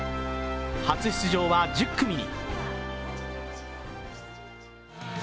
初出場は１０組に。